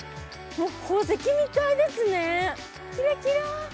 もう宝石みたいですねキラキラ！